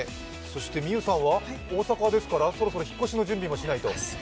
ｍｉｙｏｕさんは大阪ですから、そろそろ引っ越しの準備もしないと？